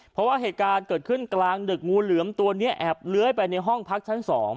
เพราะว่าเหตุการณ์เกิดขึ้นกลางดึกงูเหลือมตัวนี้แอบเลื้อยไปในห้องพักชั้น๒